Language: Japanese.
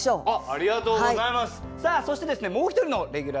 ありがとうございます。